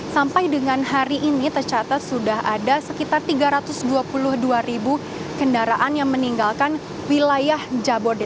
sampai dengan hari ini tercatat sudah ada sekitar tiga ratus dua puluh dua ribu kendaraan yang meninggalkan wilayah jabodeta